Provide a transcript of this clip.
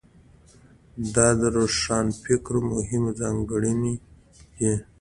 دا د روښانفکرۍ مهمې ځانګړنې دي.